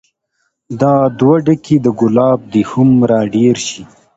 دا دوه ډکي د ګلاب دې هومره ډير شي